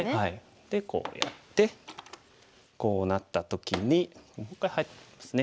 でこうやってこうなった時にもう一回ハイですね。